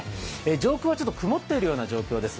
上空はちょっと曇っているような状況です。